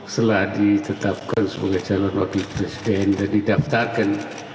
setelah ditetapkan sebagai calon wakil presiden dan didaftarkan